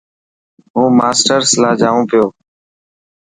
هون ماشرس لاءِ جائون پيو.